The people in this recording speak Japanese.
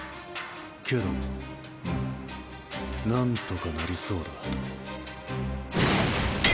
けど何とかなりそうだ。